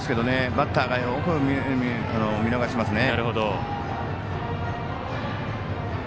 バッターがよく見逃しますね。